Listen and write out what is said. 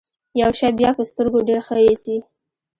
يو شی بيا په سترګو ډېر ښه اېسي.